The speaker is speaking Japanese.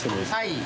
はい。